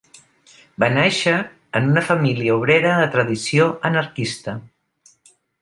Va nàixer en una família obrera de tradició anarquista.